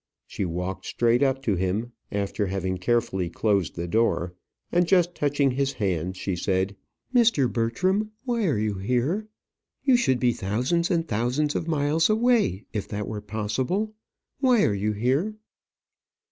She walked straight up to him, after having carefully closed the door, and just touching his hand, she said, "Mr. Bertram, why are you here? You should be thousands and thousands of miles away if that were possible. Why are you here?"